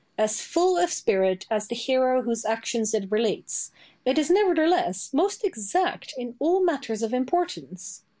As full of spirit as the hero whose actions it relates, it is nevertheless most exact in all matters of importance.